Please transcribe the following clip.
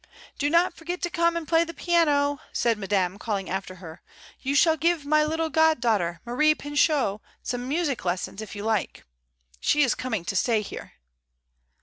"Do not forget to come and play the piano," said Madame, calling after her. "You shall give my little goddaughter, Marie Pichot, some music lessons, if you like. She is coming to stay here."